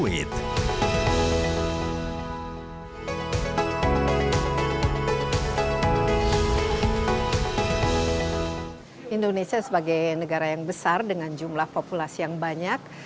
indonesia sebagai negara yang besar dengan jumlah populasi yang banyak